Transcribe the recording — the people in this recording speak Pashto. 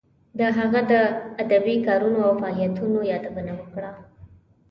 د هغه د ادبی کارونو او فعالیتونو یادونه کړه.